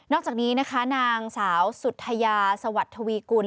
อกจากนี้นะคะนางสาวสุธยาสวัสดีทวีกุล